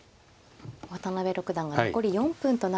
渡辺六段が残り４分となりました。